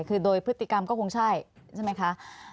คือโดยพฤติกรรมก็คงใช่ใช่ไหมคะ